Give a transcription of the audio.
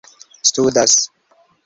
studas